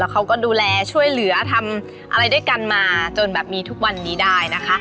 เขาก็ดูแลช่วยเหลือทำอะไรด้วยกันมาจนแบบมีทุกวันนี้ได้นะคะ